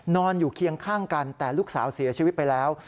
นอนอยู่เคียงข้างกันแต่ลูกสาวเสียชีวิตไปแล้ว